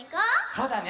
そうだね！